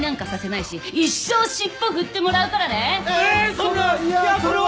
そんないやそれは。